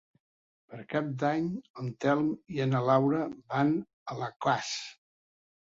Per Cap d'Any en Telm i na Laura van a Alaquàs.